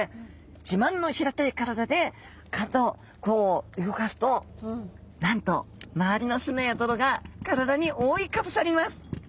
自慢の平たい体で体をこう動かすとなんと周りの砂や泥が体に覆いかぶさります。